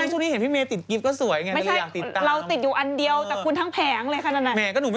ไม่ช่วงนี้ภิเมทิดกิฟต์ก็สวยน่ะเดียวอยากติดตาม